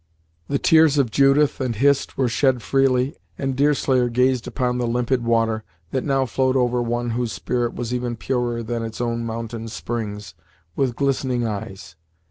The tears of Judith and Hist were shed freely, and Deerslayer gazed upon the limpid water, that now flowed over one whose spirit was even purer than its own mountain springs, with glistening eyes.